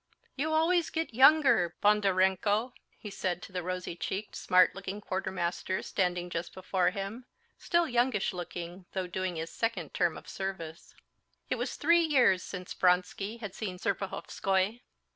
"You always get younger, Bondarenko," he said to the rosy checked, smart looking quartermaster standing just before him, still youngish looking though doing his second term of service. It was three years since Vronsky had seen Serpuhovskoy.